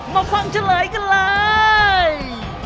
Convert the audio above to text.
มาฟังเฉลยกันเลย